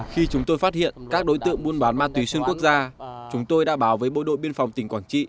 khi chúng tôi phát hiện các đối tượng buôn bán ma túy xuyên quốc gia chúng tôi đã báo với bộ đội biên phòng tỉnh quảng trị